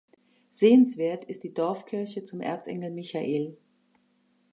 Sehenswert ist die Dorfkirche zum Erzengel Michael.